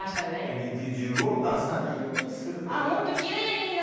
肉汁を出さないようにするという。